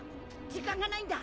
時間がないんだ。